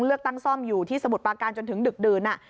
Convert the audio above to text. เลือกตั้งซ่อมอยู่ที่สมุทรปาการจนถึงดึกดื่น